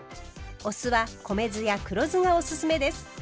お酢は米酢や黒酢がおすすめです。